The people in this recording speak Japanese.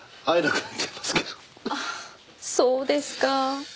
ああそうですか。